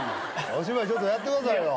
お芝居ちょっとやってくださいよ。